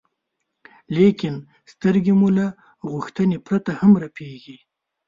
لیکن سترګې مو له غوښتنې پرته هم رپېږي.